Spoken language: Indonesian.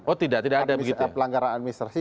oh tidak tidak ada begitu ya pelanggaran administrasi